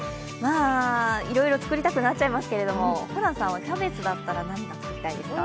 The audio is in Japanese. いろいろ作りたくなっちゃいますけどもホランさんは、キャベツだったら、何を作りたいですか。